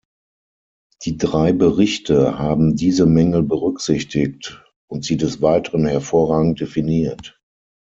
Die drei Berichte haben diese Mängel berücksichtigt und sie des Weiteren hervorragend definiert.